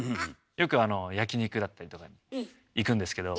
よく焼き肉だったりとかに行くんですけど。